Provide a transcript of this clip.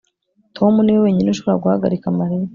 Tom niwe wenyine ushobora guhagarika Mariya